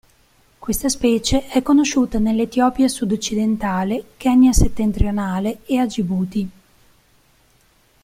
Questa specie è conosciuta nell'Etiopia sud-occidentale, Kenya settentrionale e a Gibuti.